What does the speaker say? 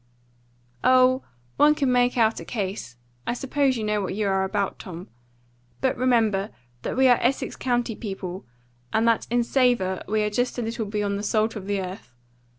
"Oh, one could make out a case. I suppose you know what you are about, Tom. But remember that we are Essex County people, and that in savour we are just a little beyond the salt of the earth.